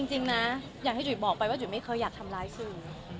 จริงนะอย่างที่จุ๋ยบอกไปว่าจุ๋ยไม่เคยอยากทำร้ายสื่อ